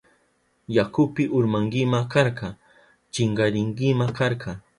Yakupi urmankima karka, chinkarinkima karka.